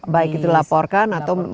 baik dilaporkan atau